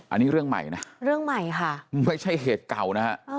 อันนี้เรื่องใหม่นะเรื่องใหม่ค่ะไม่ใช่เหตุเก่านะฮะ